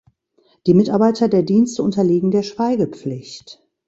Die Mitarbeiter der Dienste unterliegen der Schweigepflicht.